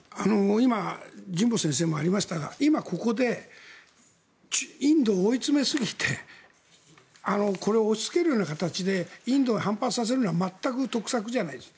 今、神保先生からもありましたが今、ここでインドを追い詰めすぎてこれを押しつけるような形でインドに反発させるのは全く得策じゃないです。